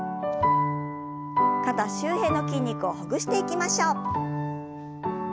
肩周辺の筋肉をほぐしていきましょう。